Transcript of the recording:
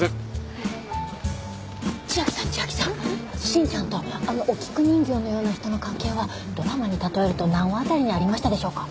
真ちゃんとあのお菊人形のような人の関係はドラマに例えると何話あたりにありましたでしょうか？